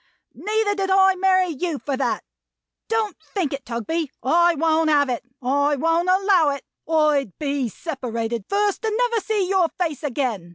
Neither did I marry you for that. Don't think it, Tugby. I won't have it. I won't allow it. I'd be separated first, and never see your face again.